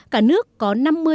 cả nước có năm mươi tám